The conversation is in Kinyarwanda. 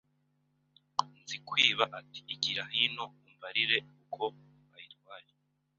Nzikwiba ati Igira hino umbarire uko bayitwaye